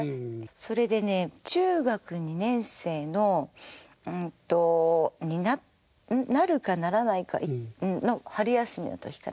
それでね中学２年生のうんとになるかならないかの春休みの時かな？